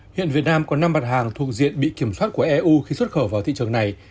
hiện việt nam có năm mặt hàng thuộc diện bị kiểm soát của eu khi xuất khẩu vào thị trường này